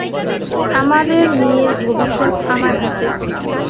আমাদের মেয়ের ভবিষ্যৎ আমার হাতে।